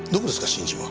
新人は。